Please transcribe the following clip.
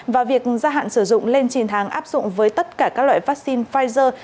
và việc gia hạn sử dụng lên chín tháng áp dụng với tất cả các loại vaccine pfizer